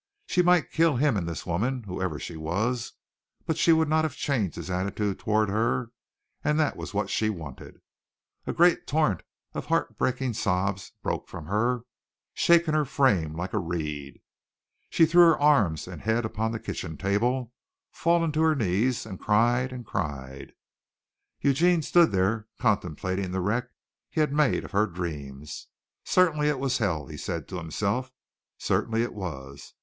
She might kill him and this woman, whoever she was, but she would not have changed his attitude toward her, and that was what she wanted. A great torrent of heart breaking sobs broke from her, shaking her frame like a reed. She threw her arms and head upon the kitchen table, falling to her knees, and cried and cried. Eugene stood there contemplating the wreck he had made of her dreams. Certainly it was hell, he said to himself; certainly it was.